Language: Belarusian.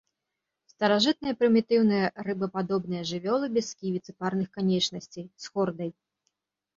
Старажытныя прымітыўныя рыбападобныя жывёлы без сківіц і парных канечнасцей, з хордай.